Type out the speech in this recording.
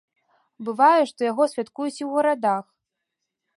Бывае, што яго святкуюць і ў гарадах.